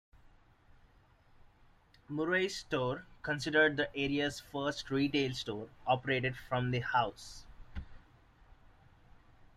Murray's store, considered the area's first retail store, operated from the house.